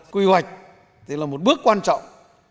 quy hoạch thì là một bước quan trọng